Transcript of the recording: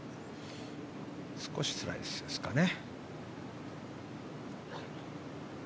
少しスライスですかね。